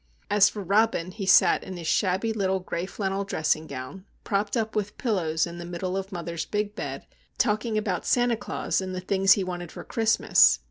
As for Robin, he sat in his shabby little grey flannel dressing gown, propped up with pillows in the middle of mother's big bed, talking about Santa Claus and the things he wanted for Christmas.